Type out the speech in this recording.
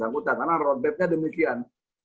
karena roadmapnya demikian